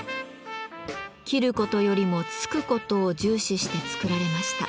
斬ることよりも突くことを重視して作られました。